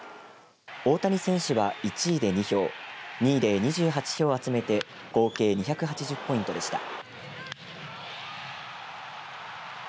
大谷選手は１位で２票２位で２８票を集めて合計２８０ポイントでした。